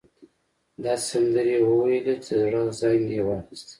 داسې سندرې يې وويلې چې د زړه زنګ يې واخيست.